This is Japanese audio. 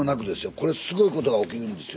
これすごいことが起きるんですよ。